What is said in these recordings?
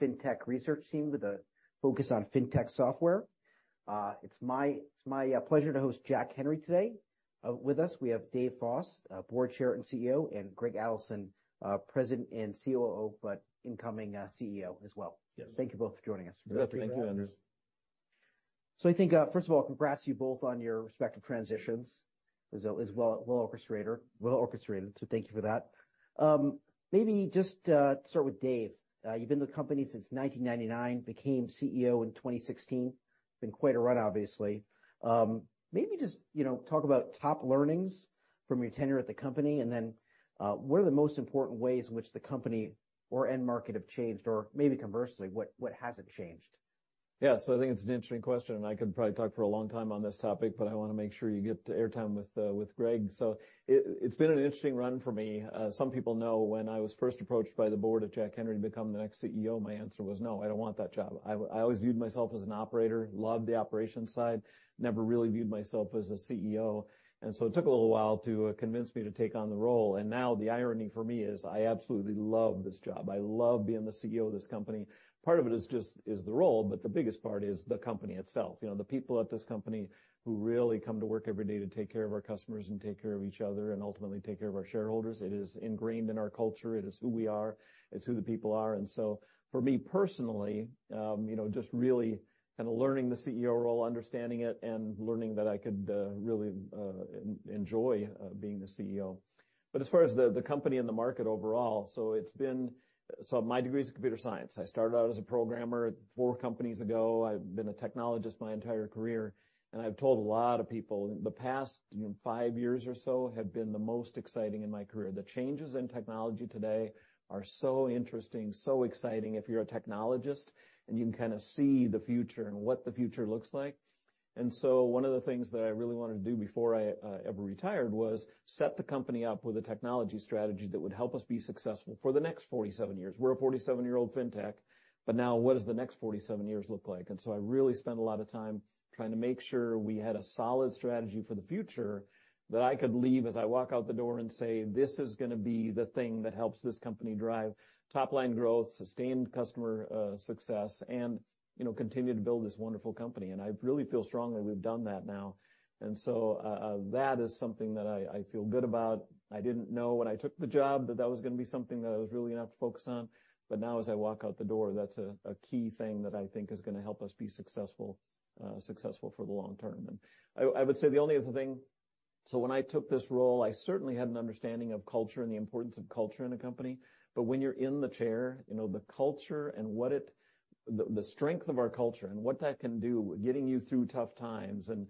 Fintech research team with a focus on fintech software. It's my pleasure to host Jack Henry today. With us we have Dave Foss, Board Chair and CEO, and Greg Adelson, President and COO but incoming CEO as well. Thank you both for joining us. Thank you, Andrew. So I think, first of all, congrats to you both on your respective transitions as well orchestrators, so thank you for that. Maybe just start with Dave. You've been with the company since 1999, became CEO in 2016. It's been quite a run, obviously. Maybe just talk about top learnings from your tenure at the company and then what are the most important ways in which the company or end market have changed, or maybe conversely, what hasn't changed? Yeah, so I think it's an interesting question and I could probably talk for a long time on this topic, but I want to make sure you get airtime with Greg. So it's been an interesting run for me. Some people know when I was first approached by the board of Jack Henry to become the next CEO, my answer was, "No, I don't want that job." I always viewed myself as an operator, loved the operations side, never really viewed myself as a CEO. And so it took a little while to convince me to take on the role. And now the irony for me is I absolutely love this job. I love being the CEO of this company. Part of it is just the role, but the biggest part is the company itself. The people at this company who really come to work every day to take care of our customers and take care of each other and ultimately take care of our shareholders, it is ingrained in our culture. It is who we are. It's who the people are. And so for me personally, just really kind of learning the CEO role, understanding it, and learning that I could really enjoy being the CEO. But as far as the company and the market overall, so my degree is in computer science. I started out as a programmer four companies ago. I've been a technologist my entire career. And I've told a lot of people, the past five years or so have been the most exciting in my career. The changes in technology today are so interesting, so exciting if you're a technologist and you can kind of see the future and what the future looks like. And so one of the things that I really wanted to do before I ever retired was set the company up with a technology strategy that would help us be successful for the next 47 years. We're a 47-year-old fintech, but now what does the next 47 years look like? And so I really spent a lot of time trying to make sure we had a solid strategy for the future that I could leave as I walk out the door and say, "This is going to be the thing that helps this company drive top-line growth, sustained customer success, and continue to build this wonderful company." And I really feel strongly we've done that now. That is something that I feel good about. I didn't know when I took the job that that was going to be something that I was really going to have to focus on. But now as I walk out the door, that's a key thing that I think is going to help us be successful for the long term. I would say the only other thing, so when I took this role, I certainly had an understanding of culture and the importance of culture in a company. But when you're in the chair, the culture and what is the strength of our culture and what that can do, getting you through tough times and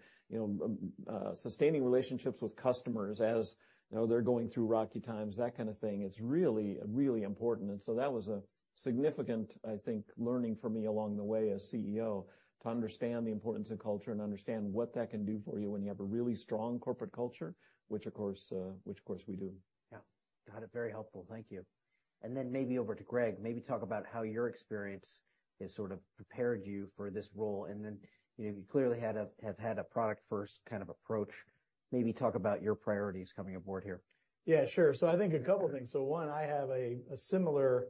sustaining relationships with customers as they're going through rocky times, that kind of thing, it's really, really important. And so that was a significant, I think, learning for me along the way as CEO, to understand the importance of culture and understand what that can do for you when you have a really strong corporate culture, which of course we do. Yeah. Got it. Very helpful. Thank you. And then maybe over to Greg. Maybe talk about how your experience has sort of prepared you for this role. And then you clearly have had a product-first kind of approach. Maybe talk about your priorities coming aboard here. Yeah, sure. So I think a couple of things. So one, I have a similar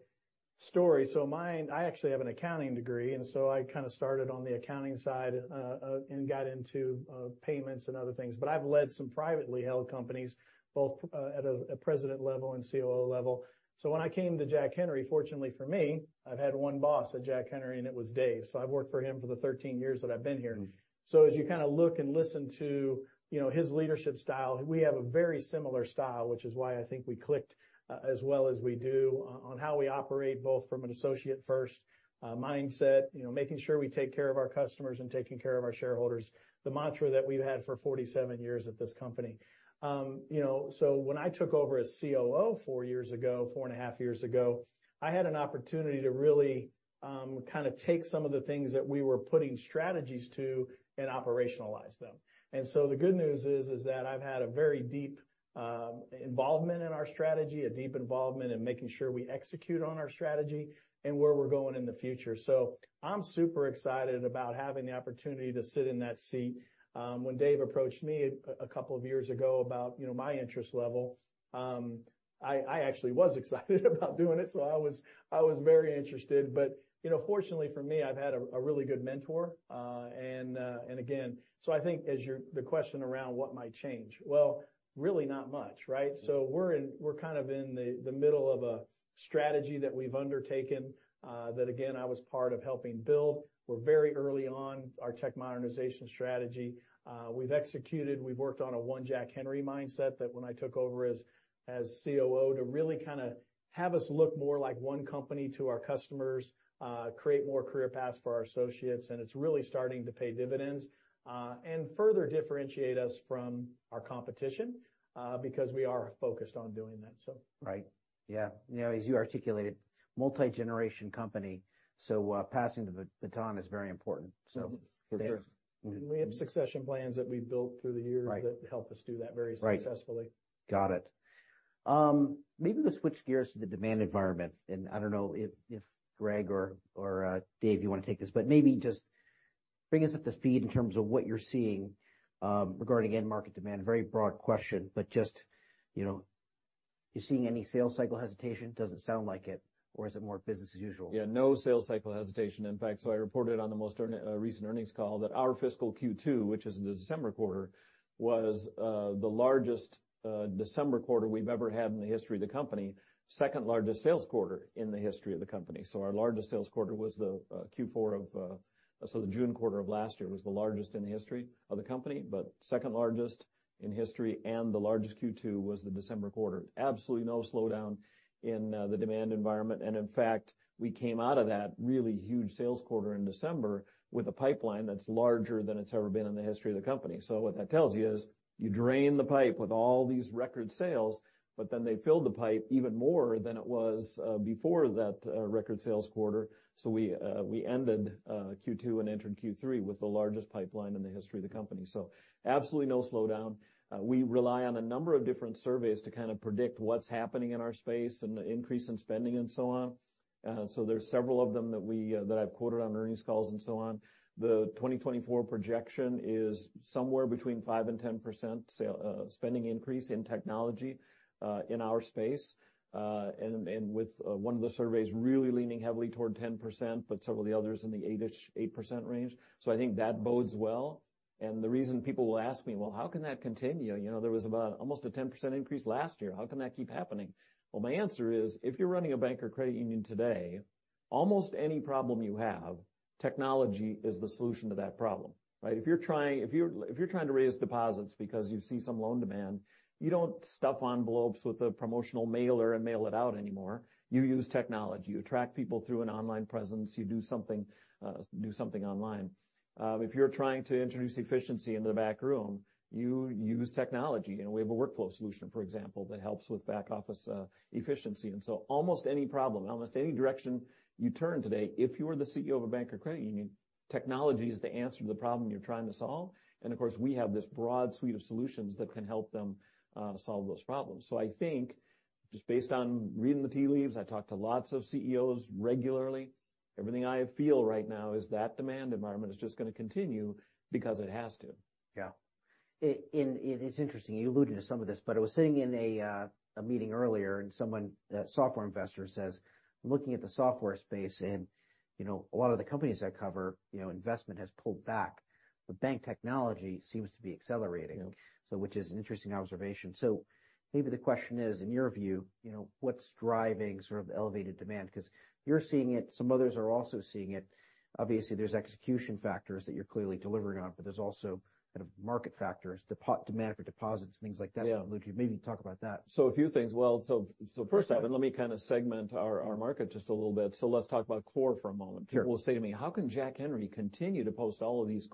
story. So I actually have an accounting degree, and so I kind of started on the accounting side and got into payments and other things. But I've led some privately held companies, both at a president level and COO level. So when I came to Jack Henry, fortunately for me, I've had one boss at Jack Henry and it was Dave. So I've worked for him for the 13 years that I've been here. So as you kind of look and listen to his leadership style, we have a very similar style, which is why I think we clicked as well as we do on how we operate, both from an associate-first mindset, making sure we take care of our customers and taking care of our shareholders, the mantra that we've had for 47 years at this company. So when I took over as COO four years ago, 4.5 years ago, I had an opportunity to really kind of take some of the things that we were putting strategies to and operationalize them. And so the good news is that I've had a very deep involvement in our strategy, a deep involvement in making sure we execute on our strategy and where we're going in the future. So I'm super excited about having the opportunity to sit in that seat. When Dave approached me a couple of years ago about my interest level, I actually was excited about doing it, so I was very interested. But fortunately for me, I've had a really good mentor. And again, so I think as to the question around what might change. Well, really not much, right? So we're kind of in the middle of a strategy that we've undertaken that, again, I was part of helping build. We're very early on our tech modernization strategy. We've executed. We've worked on a One Jack Henry mindset that when I took over as COO to really kind of have us look more like one company to our customers, create more career paths for our associates, and it's really starting to pay dividends and further differentiate us from our competition because we are focused on doing that, so. Right. Yeah. As you articulated, multi-generation company, so passing the baton is very important, so. It is. We have succession plans that we've built through the years that help us do that very successfully. Got it. Maybe we'll switch gears to the demand environment. I don't know if Greg or Dave, you want to take this, but maybe just bring us up to speed in terms of what you're seeing regarding end-market demand. Very broad question, but just you're seeing any sales cycle hesitation? Doesn't sound like it, or is it more business as usual? Yeah, no sales cycle hesitation. In fact, so I reported on the most recent earnings call that our fiscal Q2, which is in the December quarter, was the largest December quarter we've ever had in the history of the company, second-largest sales quarter in the history of the company. So our largest sales quarter was the Q4, the June quarter of last year was the largest in the history of the company, but second-largest in history and the largest Q2 was the December quarter. Absolutely no slowdown in the demand environment. And in fact, we came out of that really huge sales quarter in December with a pipeline that's larger than it's ever been in the history of the company. So what that tells you is you drained the pipe with all these record sales, but then they filled the pipe even more than it was before that record sales quarter. So we ended Q2 and entered Q3 with the largest pipeline in the history of the company. So absolutely no slowdown. We rely on a number of different surveys to kind of predict what's happening in our space and the increase in spending and so on. So there's several of them that I've quoted on earnings calls and so on. The 2024 projection is somewhere between 5%-10% spending increase in technology in our space, and with one of the surveys really leaning heavily toward 10%, but several of the others in the 8-ish, 8% range. So I think that bodes well. And the reason people will ask me, "Well, how can that continue? There was almost a 10% increase last year. How can that keep happening?" Well, my answer is if you're running a bank or credit union today, almost any problem you have, technology is the solution to that problem, right? If you're trying to raise deposits because you see some loan demand, you don't stuff envelopes with a promotional mailer and mail it out anymore. You use technology. You attract people through an online presence. You do something online. If you're trying to introduce efficiency into the back room, you use technology. We have a workflow solution, for example, that helps with back-office efficiency. And so almost any problem, almost any direction you turn today, if you were the CEO of a bank or credit union, technology is the answer to the problem you're trying to solve. Of course, we have this broad suite of solutions that can help them solve those problems. So I think just based on reading the tea leaves, I talk to lots of CEOs regularly. Everything I feel right now is that demand environment is just going to continue because it has to. Yeah. And it's interesting. You alluded to some of this, but I was sitting in a meeting earlier and some software investor says, "I'm looking at the software space and a lot of the companies I cover, investment has pulled back, but bank technology seems to be accelerating," which is an interesting observation. So maybe the question is, in your view, what's driving sort of the elevated demand? Because you're seeing it. Some others are also seeing it. Obviously, there's execution factors that you're clearly delivering on, but there's also kind of market factors, demand for deposits, things like that. Maybe talk about that. So a few things. Well, so first off, and let me kind of segment our market just a little bit. So let's talk about core for a moment. People will say to me, "How can Jack Henry continue to post all of these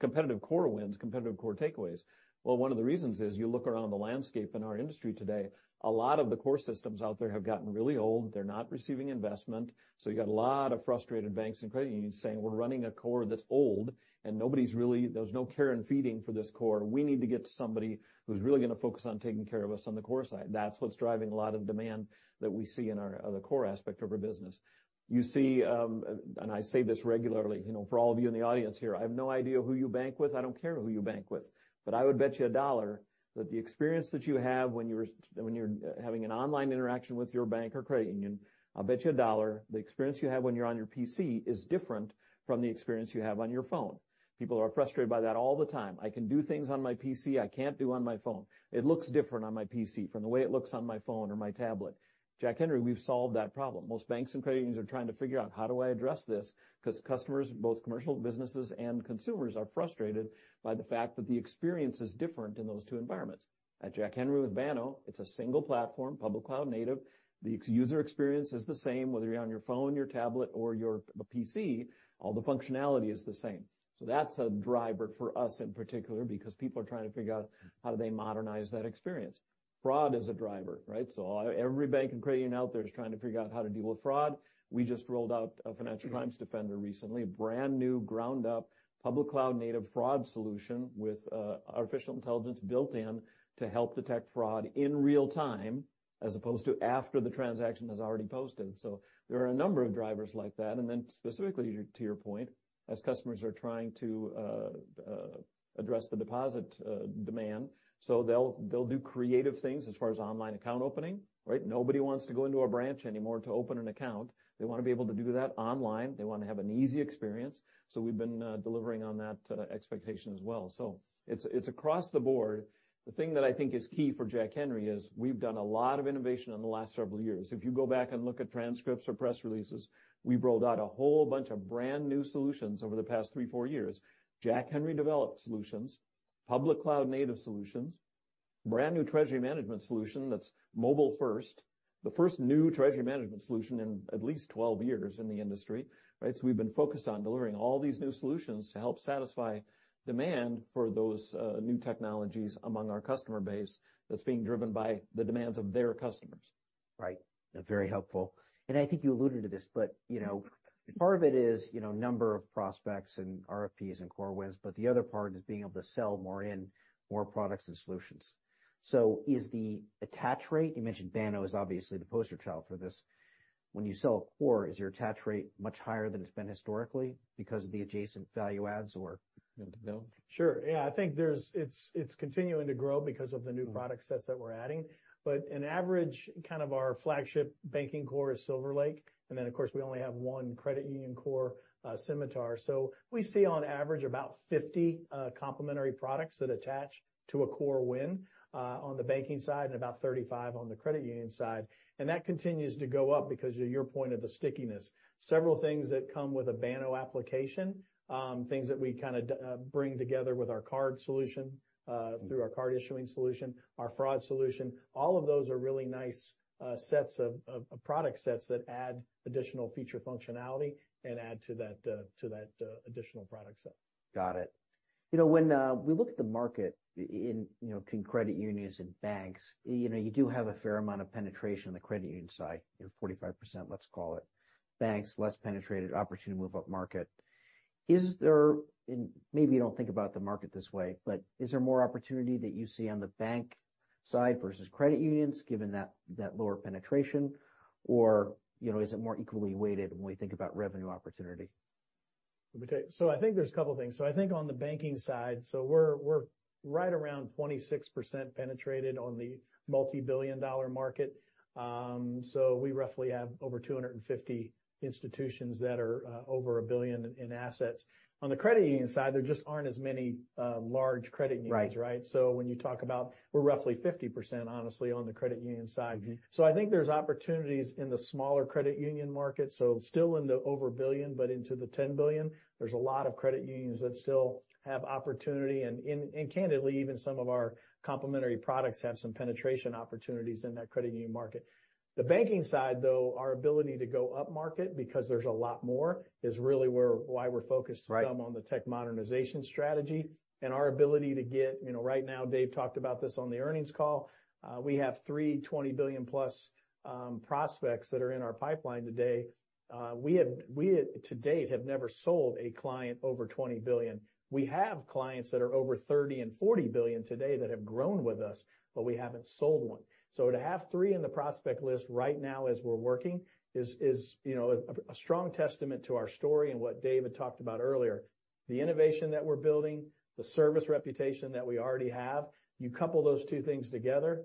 competitive core wins, competitive core takeaways?" Well, one of the reasons is you look around the landscape in our industry today, a lot of the core systems out there have gotten really old. They're not receiving investment. So you got a lot of frustrated banks and credit unions saying, "We're running a core that's old and there's no care and feeding for this core. We need to get to somebody who's really going to focus on taking care of us on the core side." That's what's driving a lot of the demand that we see in the core aspect of our business. You see, and I say this regularly, for all of you in the audience here, I have no idea who you bank with. I don't care who you bank with. But I would bet you $1 that the experience that you have when you're having an online interaction with your bank or credit union, I'll bet you $1, the experience you have when you're on your PC is different from the experience you have on your phone. People are frustrated by that all the time. "I can do things on my PC. I can't do on my phone." It looks different on my PC from the way it looks on my phone or my tablet. Jack Henry, we've solved that problem. Most banks and credit unions are trying to figure out, "How do I address this?" Because customers, both commercial businesses and consumers, are frustrated by the fact that the experience is different in those two environments. At Jack Henry with Banno, it's a single platform, public cloud-native. The user experience is the same, whether you're on your phone, your tablet, or your PC. All the functionality is the same. So that's a driver for us in particular because people are trying to figure out how do they modernize that experience. Fraud is a driver, right? So every bank and credit union out there is trying to figure out how to deal with fraud. We just rolled out a Financial Crimes Defender recently, a brand new, ground-up, public cloud native fraud solution with artificial intelligence built in to help detect fraud in real time as opposed to after the transaction has already posted. So there are a number of drivers like that. And then specifically to your point, as customers are trying to address the deposit demand, so they'll do creative things as far as online account opening, right? Nobody wants to go into a branch anymore to open an account. They want to be able to do that online. They want to have an easy experience. So we've been delivering on that expectation as well. So it's across the board. The thing that I think is key for Jack Henry is we've done a lot of innovation in the last several years. If you go back and look at transcripts or press releases, we've rolled out a whole bunch of brand new solutions over the past 3, 4 years. Jack Henry developed solutions, public cloud native solutions, brand new treasury management solution that's mobile-first, the first new treasury management solution in at least 12 years in the industry, right? So we've been focused on delivering all these new solutions to help satisfy demand for those new technologies among our customer base that's being driven by the demands of their customers. Right. Very helpful. And I think you alluded to this, but part of it is number of prospects and RFPs and core wins, but the other part is being able to sell more in, more products and solutions. So is the attach rate you mentioned Banno is obviously the poster child for this. When you sell a core, is your attach rate much higher than it's been historically because of the adjacent value adds, or? Sure. Yeah. I think it's continuing to grow because of the new product sets that we're adding. But on average, kind of our flagship banking core is SilverLake. And then of course, we only have one credit union core, Symitar. So we see on average about 50 complementary products that attach to a core win on the banking side and about 35 complementary products on the credit union side. And that continues to go up because of your point of the stickiness. Several things that come with a Banno application, things that we kind of bring together with our card solution through our card issuing solution, our fraud solution, all of those are really nice sets of product sets that add additional feature functionality and add to that additional product set. Got it. When we look at the market between credit unions and banks, you do have a fair amount of penetration on the credit union side, 45%, let's call it. Banks, less penetrated, opportunity to move up market. And maybe you don't think about the market this way, but is there more opportunity that you see on the bank side versus credit unions given that lower penetration, or is it more equally weighted when we think about revenue opportunity? Let me take so I think there's a couple of things. So I think on the banking side, so we're right around 26% penetrated on the multi-billion-dollar market. So we roughly have over 250 institutions that are over $1 billion in assets. On the credit union side, there just aren't as many large credit unions, right? So when you talk about we're roughly 50%, honestly, on the credit union side. So I think there's opportunities in the smaller credit union market. So still in the over $1 billion, but into the $10 billion, there's a lot of credit unions that still have opportunity. And candidly, even some of our complementary products have some penetration opportunities in that credit union market. The banking side, though, our ability to go up market because there's a lot more is really why we're focused on the tech modernization strategy and our ability to get right now. Dave talked about this on the earnings call. We have three $20 billion-plus prospects that are in our pipeline today. We to date have never sold a client over $20 billion. We have clients that are over $30 billion and $40 billion today that have grown with us, but we haven't sold one. So to have three in the prospect list right now as we're working is a strong testament to our story and what Dave had talked about earlier. The innovation that we're building, the service reputation that we already have, you couple those two things together,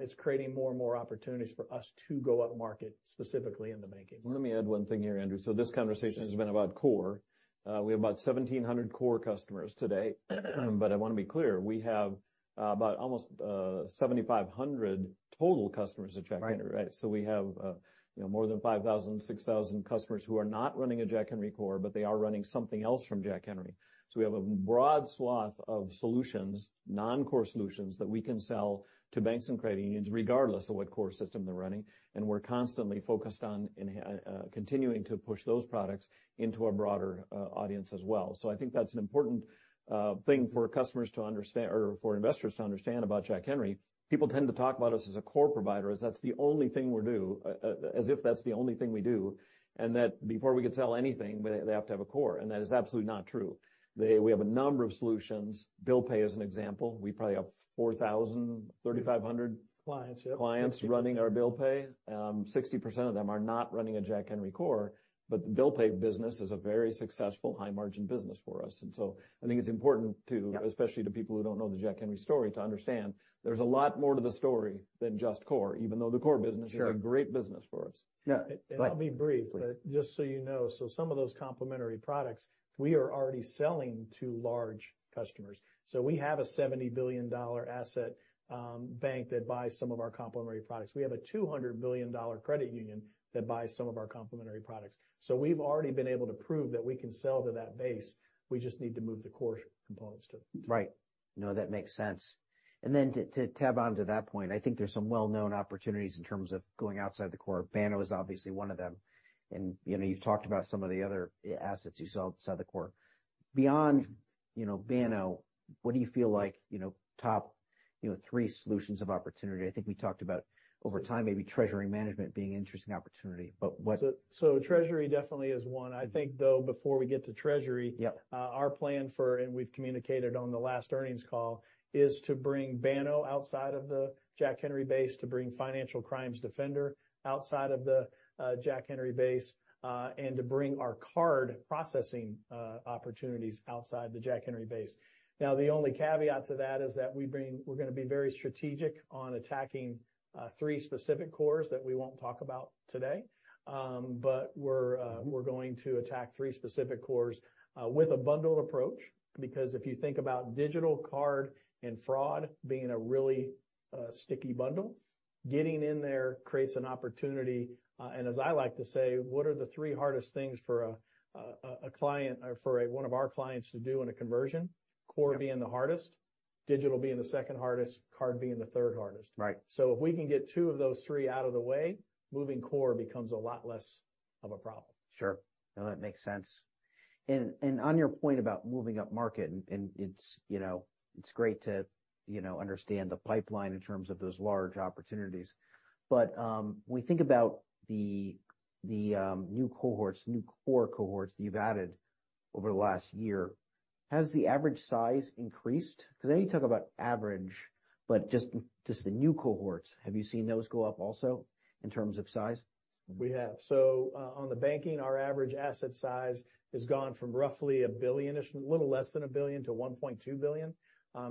it's creating more and more opportunities for us to go up market, specifically in the banking. Let me add one thing here, Andrew. So this conversation has been about core. We have about 1,700 core customers today. But I want to be clear, we have about almost 7,500 total customers at Jack Henry, right? So we have more than 5,000-6,000 customers who are not running a Jack Henry core, but they are running something else from Jack Henry. So we have a broad swath of solutions, non-core solutions, that we can sell to banks and credit unions regardless of what core system they're running. And we're constantly focused on continuing to push those products into a broader audience as well. So I think that's an important thing for customers to understand or for investors to understand about Jack Henry. People tend to talk about us as a core provider, as that's the only thing we do, as if that's the only thing we do, and that before we could sell anything, they have to have a core. And that is absolutely not true. We have a number of solutions. Bill Pay is an example. We probably have 4,000, 3,500. Clients, yep. Clients running our Bill Pay. 60% of them are not running a Jack Henry core, but the Bill Pay business is a very successful, high-margin business for us. And so I think it's important too, especially to people who don't know the Jack Henry story, to understand there's a lot more to the story than just core, even though the core business is a great business for us. Yeah. I'll be brief, but just so you know, so some of those complementary products, we are already selling to large customers. We have a $70 billion asset bank that buys some of our complementary products. We have a $200 billion credit union that buys some of our complementary products. We've already been able to prove that we can sell to that base. We just need to move the core components to it. Right. No, that makes sense. And then to tap onto that point, I think there's some well-known opportunities in terms of going outside the core. Banno is obviously one of them. And you've talked about some of the other assets you sell outside the core. Beyond Banno, what do you feel like top three solutions of opportunity? I think we talked about over time, maybe treasury management being an interesting opportunity, but what? Treasury definitely is one. I think, though, before we get to treasury, our plan for, and we've communicated on the last earnings call, is to bring Banno outside of the Jack Henry base, to bring Financial Crimes Defender outside of the Jack Henry base, and to bring our card processing opportunities outside the Jack Henry base. Now, the only caveat to that is that we're going to be very strategic on attacking three specific cores that we won't talk about today. But we're going to attack three specific cores with a bundled approach because if you think about digital card and fraud being a really sticky bundle, getting in there creates an opportunity. And as I like to say, what are the three hardest things for a client or for one of our clients to do in a conversion? Core being the hardest, digital being the second hardest, card being the third hardest. If we can get two of those three out of the way, moving core becomes a lot less of a problem. Sure. No, that makes sense. And on your point about moving up market, and it's great to understand the pipeline in terms of those large opportunities. But when we think about the new cohorts, new core cohorts that you've added over the last year, has the average size increased? Because I know you talk about average, but just the new cohorts, have you seen those go up also in terms of size? We have. So on the banking, our average asset size has gone from roughly $1 billion-ish, a little less than $1 billion to $1.2 billion.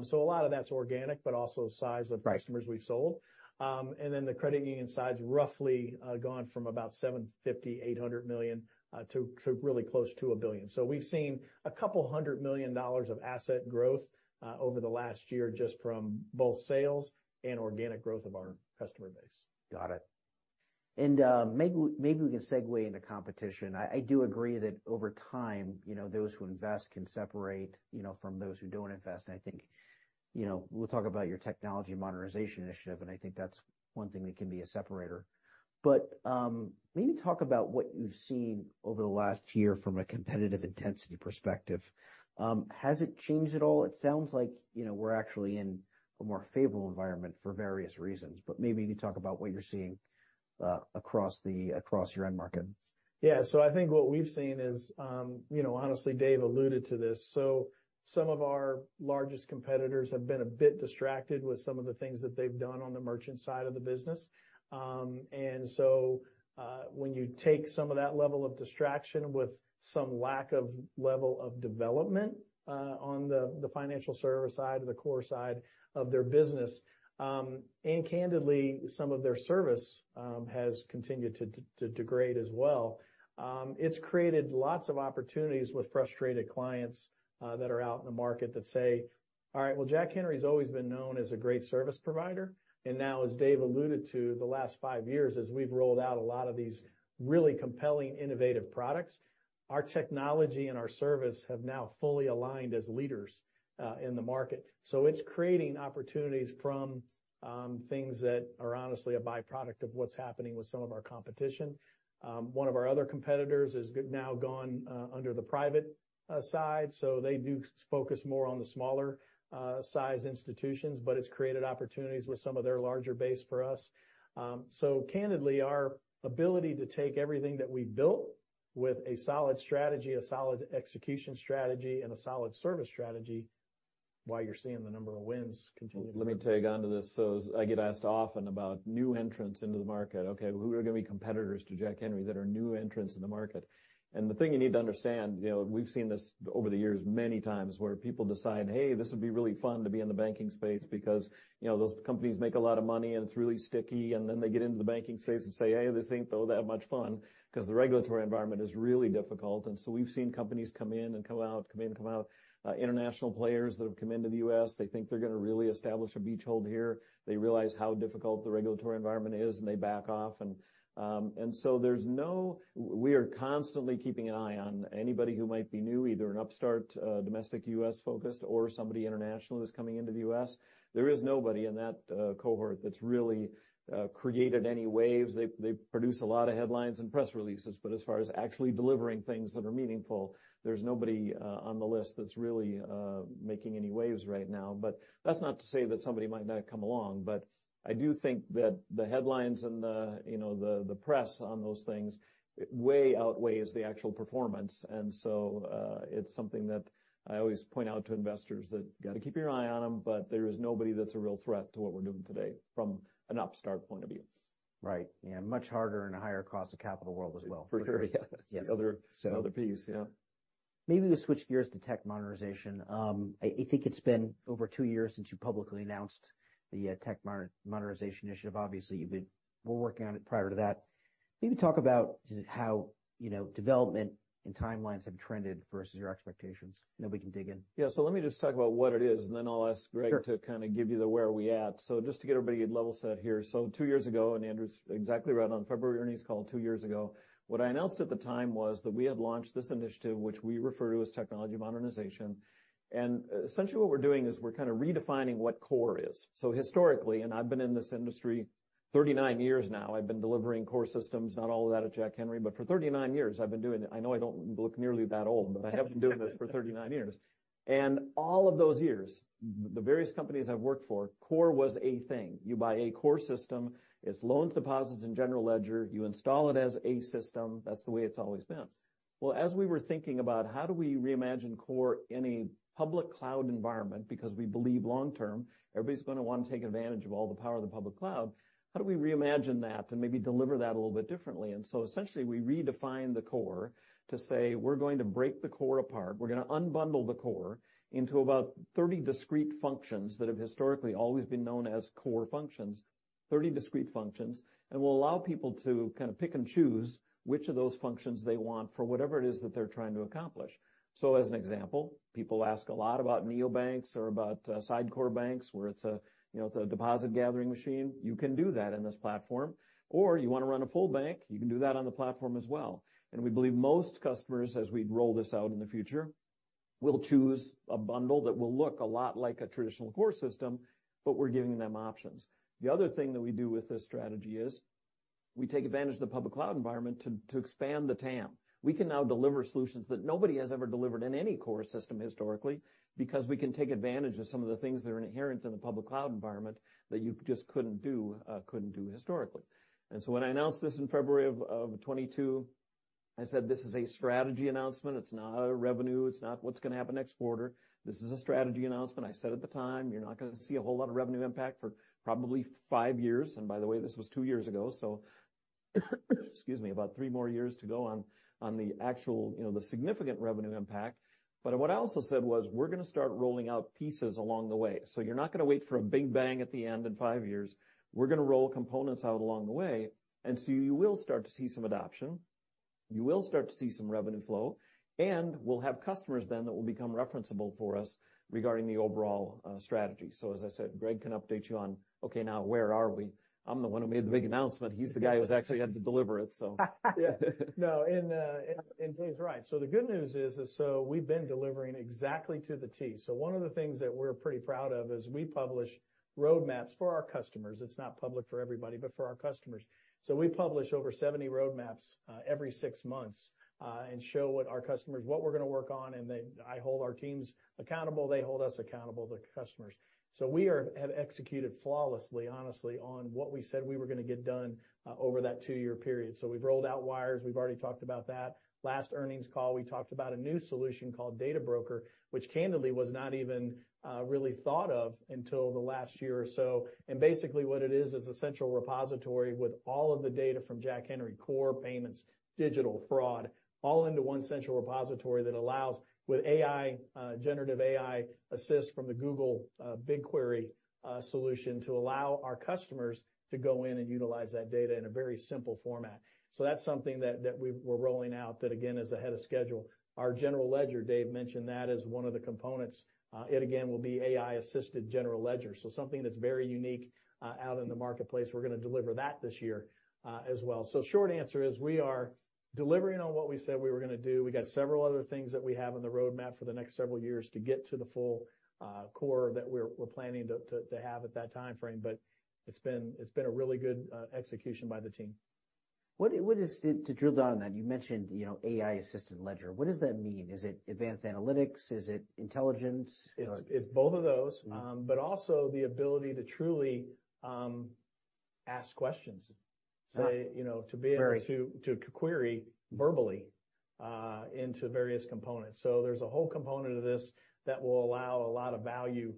So a lot of that's organic, but also size of customers we've sold. And then the credit union side's roughly gone from about $750 million-$800 million to really close to $1 billion. So we've seen a couple hundred million dollars of asset growth over the last year just from both sales and organic growth of our customer base. Got it. And maybe we can segue into competition. I do agree that over time, those who invest can separate from those who don't invest. And I think we'll talk about your technology modernization initiative, and I think that's one thing that can be a separator. But maybe talk about what you've seen over the last year from a competitive intensity perspective. Has it changed at all? It sounds like we're actually in a more favorable environment for various reasons. But maybe you could talk about what you're seeing across your end market. Yeah. So I think what we've seen is honestly, Dave alluded to this. So some of our largest competitors have been a bit distracted with some of the things that they've done on the merchant side of the business. And so when you take some of that level of distraction with some lack of level of development on the financial service side or the core side of their business, and candidly, some of their service has continued to degrade as well, it's created lots of opportunities with frustrated clients that are out in the market that say, "All right, well, Jack Henry's always been known as a great service provider." And now, as Dave alluded to, the last five years, as we've rolled out a lot of these really compelling, innovative products, our technology and our service have now fully aligned as leaders in the market. So it's creating opportunities from things that are honestly a byproduct of what's happening with some of our competition. One of our other competitors has now gone under the private side. So they do focus more on the smaller-sized institutions, but it's created opportunities with some of their larger base for us. So candidly, our ability to take everything that we built with a solid strategy, a solid execution strategy, and a solid service strategy, why you're seeing the number of wins continuing to grow. Let me tack on to this. I get asked often about new entrants into the market. Okay, who are going to be competitors to Jack Henry that are new entrants in the market? The thing you need to understand, we've seen this over the years many times where people decide, "Hey, this would be really fun to be in the banking space because those companies make a lot of money, and it's really sticky." Then they get into the banking space and say, "Hey, this ain't, though, that much fun because the regulatory environment is really difficult." We've seen companies come in and come out, come in and come out, international players that have come into the U.S. They think they're going to really establish a beachhead here. They realize how difficult the regulatory environment is, and they back off. And so we are constantly keeping an eye on anybody who might be new, either an upstart domestic U.S.-focused or somebody international that's coming into the U.S. There is nobody in that cohort that's really created any waves. They produce a lot of headlines and press releases. But as far as actually delivering things that are meaningful, there's nobody on the list that's really making any waves right now. But that's not to say that somebody might not come along. But I do think that the headlines and the press on those things way outweighs the actual performance. And so it's something that I always point out to investors that got to keep your eye on them, but there is nobody that's a real threat to what we're doing today from an upstart point of view. Right. Yeah. Much harder and a higher cost of capital world as well. For sure. Yeah. It's the other piece. Yeah. Maybe we switch gears to tech modernization. I think it's been over 2 years since you publicly announced the tech modernization initiative. Obviously, we're working on it prior to that. Maybe talk about how development and timelines have trended versus your expectations. Then we can dig in. Yeah. So let me just talk about what it is, and then I'll ask Greg to kind of give you the where we at. So just to get everybody level set here. So two years ago, and Andrew's exactly right on February earnings call, two years ago, what I announced at the time was that we had launched this initiative, which we refer to as technology modernization. And essentially, what we're doing is we're kind of redefining what core is. So historically, and I've been in this industry 39 years now, I've been delivering core systems, not all of that at Jack Henry, but for 39 years, I've been doing it. I know I don't look nearly that old, but I have been doing this for 39 years. And all of those years, the various companies I've worked for, core was a thing. You buy a core system. It's loaned deposits in general ledger. You install it as a system. That's the way it's always been. Well, as we were thinking about how do we reimagine core in a public cloud environment because we believe long-term, everybody's going to want to take advantage of all the power of the public cloud, how do we reimagine that and maybe deliver that a little bit differently? And so essentially, we redefine the core to say, "We're going to break the core apart. We're going to unbundle the core into about 30 discrete functions that have historically always been known as core functions, 30 discrete functions, and we'll allow people to kind of pick and choose which of those functions they want for whatever it is that they're trying to accomplish." So as an example, people ask a lot about neobanks or about sidecar banks where it's a deposit-gathering machine. You can do that in this platform. Or you want to run a full bank, you can do that on the platform as well. And we believe most customers, as we roll this out in the future, will choose a bundle that will look a lot like a traditional core system, but we're giving them options. The other thing that we do with this strategy is we take advantage of the public cloud environment to expand the TAM. We can now deliver solutions that nobody has ever delivered in any core system historically because we can take advantage of some of the things that are inherent in the public cloud environment that you just couldn't do historically. And so when I announced this in February of 2022, I said, "This is a strategy announcement. It's not a revenue. It's not what's going to happen next quarter. This is a strategy announcement," I said at the time. "You're not going to see a whole lot of revenue impact for probably 5 years." And by the way, this was 2 years ago, so excuse me, about 3 more years to go on the actual significant revenue impact. But what I also said was, "We're going to start rolling out pieces along the way." So you're not going to wait for a big bang at the end in 5 years. We're going to roll components out along the way. And so you will start to see some adoption. You will start to see some revenue flow. And we'll have customers then that will become referenceable for us regarding the overall strategy. So as I said, Greg can update you on, "Okay, now where are we?" I'm the one who made the big announcement. He's the guy who actually had to deliver it, so. Yeah. No, and Dave's right. So the good news is we've been delivering exactly to the T. So one of the things that we're pretty proud of is we publish roadmaps for our customers. It's not public for everybody, but for our customers. So we publish over 70 roadmaps every six months and show what our customers, what we're going to work on. And I hold our teams accountable. They hold us accountable, the customers. So we have executed flawlessly, honestly, on what we said we were going to get done over that two-year period. So we've rolled out wires. We've already talked about that. Last earnings call, we talked about a new solution called Data Broker, which candidly was not even really thought of until the last year or so. And basically, what it is, is a central repository with all of the data from Jack Henry core, payments, digital, fraud, all into one central repository that allows, with AI, generative AI assist from the Google BigQuery solution, to allow our customers to go in and utilize that data in a very simple format. So that's something that we're rolling out that, again, is ahead of schedule. Our general ledger, Dave mentioned that as one of the components. It, again, will be AI-assisted general ledger. So something that's very unique out in the marketplace. We're going to deliver that this year as well. So short answer is we are delivering on what we said we were going to do. We got several other things that we have in the roadmap for the next several years to get to the full core that we're planning to have at that timeframe. It's been a really good execution by the team. To drill down on that, you mentioned AI-assisted ledger. What does that mean? Is it advanced analytics? Is it intelligence? It's both of those, but also the ability to truly ask questions, to query verbally into various components. So there's a whole component of this that will allow a lot of value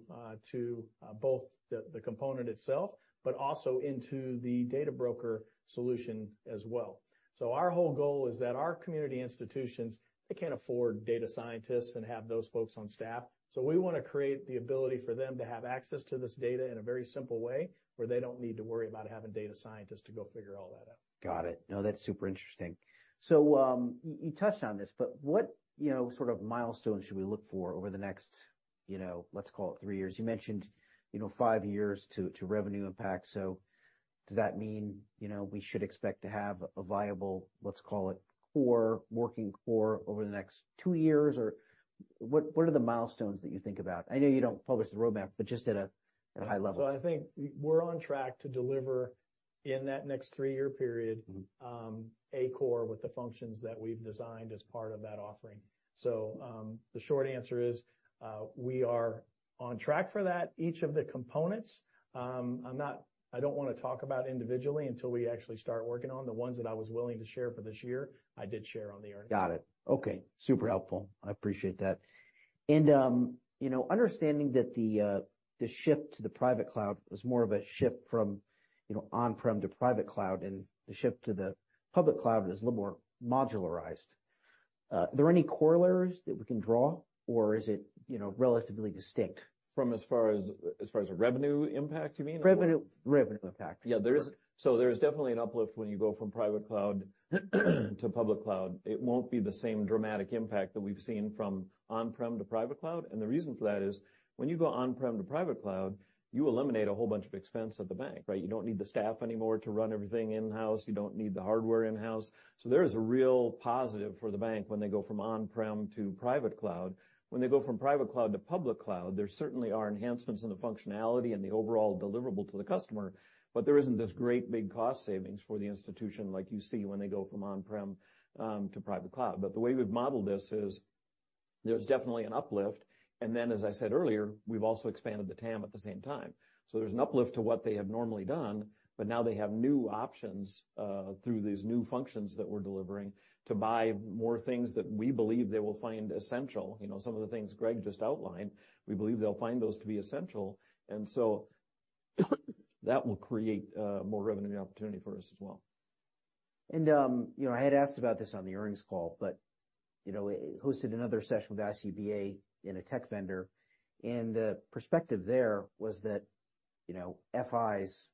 to both the component itself, but also into the Data Broker solution as well. So our whole goal is that our community institutions, they can't afford data scientists and have those folks on staff. So we want to create the ability for them to have access to this data in a very simple way where they don't need to worry about having data scientists to go figure all that out. Got it. No, that's super interesting. So you touched on this, but what sort of milestones should we look for over the next, let's call it, 3 years? You mentioned 5 years to revenue impact. So does that mean we should expect to have a viable, let's call it, core, working core over the next 2 years? Or what are the milestones that you think about? I know you don't publish the roadmap, but just at a high level. I think we're on track to deliver in that next three-year period a core with the functions that we've designed as part of that offering. The short answer is we are on track for that, each of the components. I don't want to talk about individually until we actually start working on the ones that I was willing to share for this year. I did share on the earnings. Got it. Okay. Super helpful. I appreciate that. And understanding that the shift to the private cloud was more of a shift from on-prem to private cloud, and the shift to the public cloud is a little more modularized, are there any corollaries that we can draw, or is it relatively distinct? From as far as a revenue impact, you mean? Revenue impact. Yeah. So there is definitely an uplift when you go from private cloud to public cloud. It won't be the same dramatic impact that we've seen from on-prem to private cloud. And the reason for that is when you go on-prem to private cloud, you eliminate a whole bunch of expense at the bank, right? You don't need the staff anymore to run everything in-house. You don't need the hardware in-house. So there is a real positive for the bank when they go from on-prem to private cloud. When they go from private cloud to public cloud, there certainly are enhancements in the functionality and the overall deliverable to the customer, but there isn't this great big cost savings for the institution like you see when they go from on-prem to private cloud. But the way we've modeled this is there's definitely an uplift. And then, as I said earlier, we've also expanded the TAM at the same time. So there's an uplift to what they have normally done, but now they have new options through these new functions that we're delivering to buy more things that we believe they will find essential. Some of the things Greg just outlined, we believe they'll find those to be essential. And so that will create more revenue opportunity for us as well. I had asked about this on the earnings call, but hosted another session with ICBA and a tech vendor. The perspective there was that FIs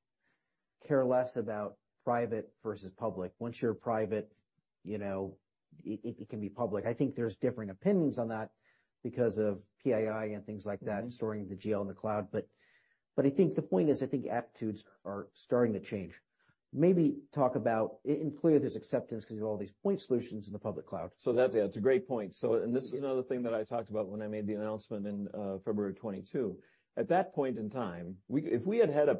care less about private versus public. Once you're private, it can be public. I think there's differing opinions on that because of PII and things like that, storing the GL in the cloud. But I think the point is, I think attitudes are starting to change. Maybe talk about and clearly, there's acceptance because you have all these point solutions in the public cloud. Yeah. It's a great point. And this is another thing that I talked about when I made the announcement in February of 2022. At that point in time, if we had had a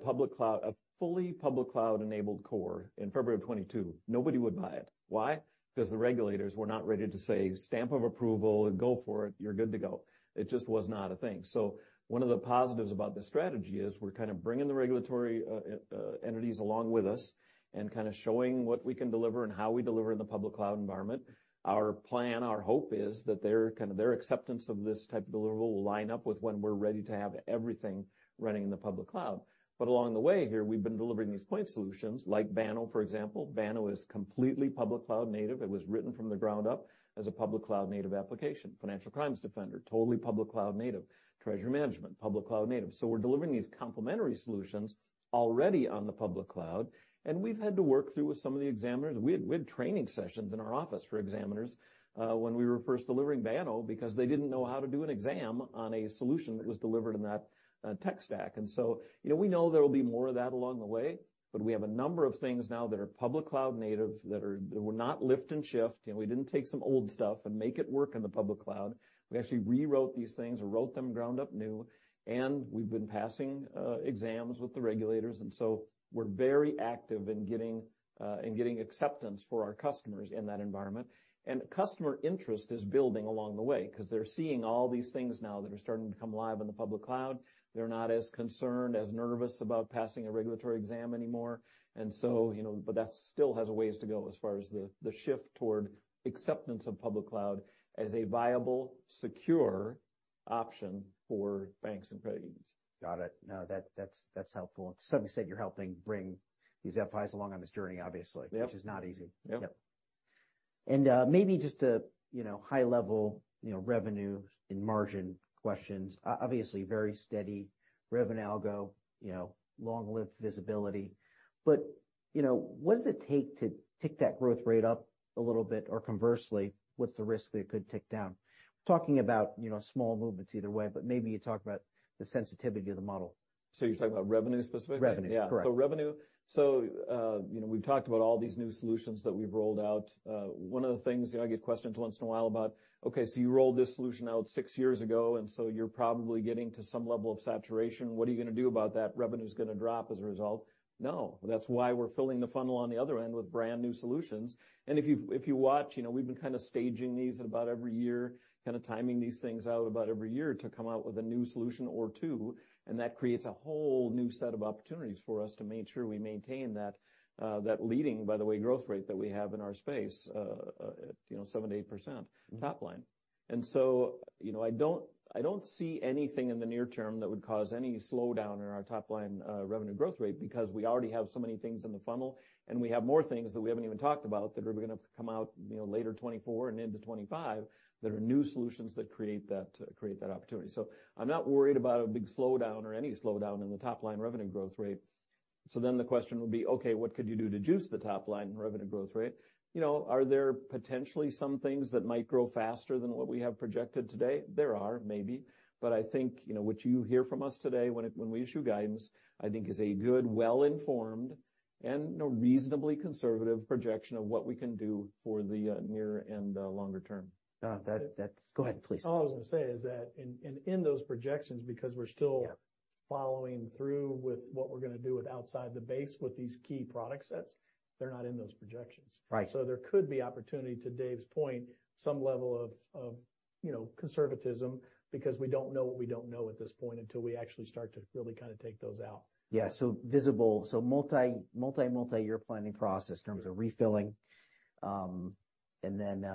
fully public cloud-enabled core in February of 2022, nobody would buy it. Why? Because the regulators were not ready to say, "Stamp of approval and go for it. You're good to go." It just was not a thing. So one of the positives about this strategy is we're kind of bringing the regulatory entities along with us and kind of showing what we can deliver and how we deliver in the public cloud environment. Our plan, our hope is that kind of their acceptance of this type of deliverable will line up with when we're ready to have everything running in the public cloud. But along the way here, we've been delivering these point solutions like Banno, for example. Banno is completely public cloud-native. It was written from the ground up as a public cloud-native application, Financial Crimes Defender, totally public cloud-native, Treasury Management, public cloud-native. So we're delivering these complementary solutions already on the public cloud. And we've had to work through with some of the examiners. We had training sessions in our office for examiners when we were first delivering Banno because they didn't know how to do an exam on a solution that was delivered in that tech stack. And so we know there will be more of that along the way, but we have a number of things now that are public cloud-native that were not lift and shift. We didn't take some old stuff and make it work in the public cloud. We actually rewrote these things or wrote them ground up new. We've been passing exams with the regulators. So we're very active in getting acceptance for our customers in that environment. Customer interest is building along the way because they're seeing all these things now that are starting to come live in the public cloud. They're not as concerned, as nervous about passing a regulatory exam anymore. That still has a ways to go as far as the shift toward acceptance of public cloud as a viable, secure option for banks and credit unions. Got it. No, that's helpful. To some extent, you're helping bring these FIs along on this journey, obviously, which is not easy. Yep. Yep. And maybe just high-level revenue and margin questions. Obviously, very steady revenue algo, long-lived visibility. But what does it take to tick that growth rate up a little bit? Or conversely, what's the risk that it could tick down? We're talking about small movements either way, but maybe you talk about the sensitivity of the model. So you're talking about revenue specifically? Revenue. Yeah. Correct. So revenue. So we've talked about all these new solutions that we've rolled out. One of the things I get questions once in a while about, "Okay, so you rolled this solution out six years ago, and so you're probably getting to some level of saturation. What are you going to do about that? Revenue's going to drop as a result?" "No, that's why we're filling the funnel on the other end with brand new solutions." And if you watch, we've been kind of staging these at about every year, kind of timing these things out about every year to come out with a new solution or two. And that creates a whole new set of opportunities for us to make sure we maintain that leading, by the way, growth rate that we have in our space, 7%-8% top line. I don't see anything in the near term that would cause any slowdown in our top line revenue growth rate because we already have so many things in the funnel, and we have more things that we haven't even talked about that are going to come out later 2024 and into 2025 that are new solutions that create that opportunity. I'm not worried about a big slowdown or any slowdown in the top line revenue growth rate. Then the question would be, "Okay, what could you do to juice the top line revenue growth rate?" Are there potentially some things that might grow faster than what we have projected today? There are, maybe. But I think what you hear from us today when we issue guidance, I think, is a good, well-informed, and reasonably conservative projection of what we can do for the near and longer term. Go ahead, please. All I was going to say is that in those projections, because we're still following through with what we're going to do with outside the base with these key product sets, they're not in those projections. So there could be opportunity, to Dave's point, some level of conservatism because we don't know what we don't know at this point until we actually start to really kind of take those out. Yeah. So multi, multi-year planning process in terms of refilling and then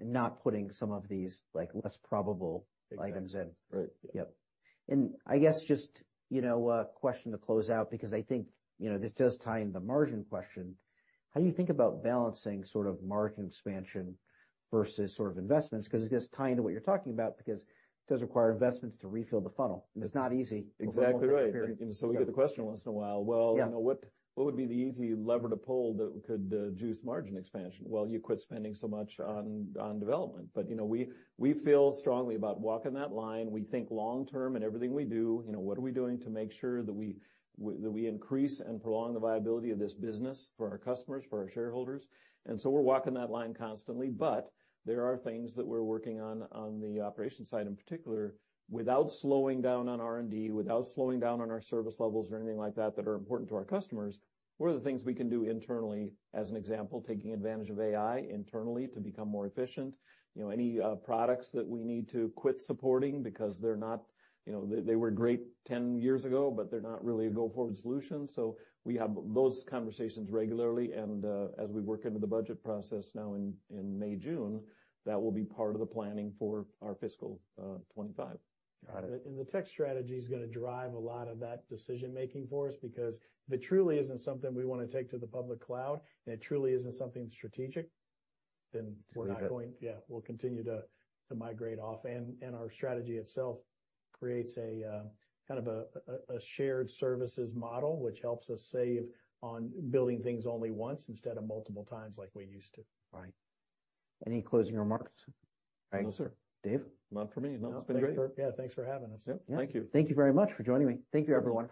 not putting some of these less probable items in. Exactly. Right. Yep. And I guess just a question to close out because I think this does tie into the margin question. How do you think about balancing sort of margin expansion versus sort of investments? Because it gets tied into what you're talking about because it does require investments to refill the funnel. And it's not easy. Exactly right. And so we get the question once in a while, "Well, what would be the easy lever to pull that could juice margin expansion?" "Well, you quit spending so much on development." But we feel strongly about walking that line. We think long-term in everything we do, what are we doing to make sure that we increase and prolong the viability of this business for our customers, for our shareholders? And so we're walking that line constantly. But there are things that we're working on the operations side in particular, without slowing down on R&D, without slowing down on our service levels or anything like that that are important to our customers, what are the things we can do internally, as an example, taking advantage of AI internally to become more efficient? Any products that we need to quit supporting because they were great 10 years ago, but they're not really a go-forward solution. We have those conversations regularly. As we work into the budget process now in May/June, that will be part of the planning for our fiscal 2025. Got it. The tech strategy is going to drive a lot of that decision-making for us because if it truly isn't something we want to take to the public cloud, and it truly isn't something strategic, then we're not going yeah, we'll continue to migrate off. Our strategy itself creates kind of a shared services model, which helps us save on building things only once instead of multiple times like we used to. Right. Any closing remarks? No, sir. Dave? None for me. No, it's been great. Yeah. Thanks for having us. Yep. Thank you. Thank you very much for joining me. Thank you, everyone.